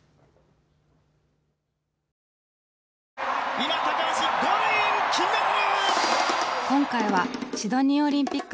今高橋ゴールイン金メダル！